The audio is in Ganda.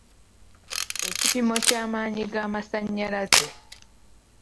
Ekipimo ky'amaanyi g'amasannyalaze.